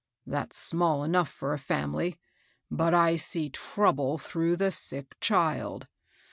" That's small enough for a family ; but I see trouble through the sick child.